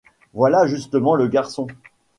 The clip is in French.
voilà justement le garçon.